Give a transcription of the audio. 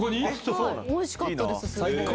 おいしかったですすごい。